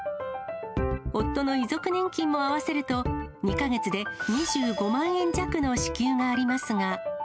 夫の遺族年金も合わせると、２か月で２５万円弱の支給がありますが。